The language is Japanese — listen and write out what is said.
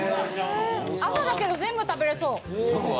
朝だけど、全部食べれそう。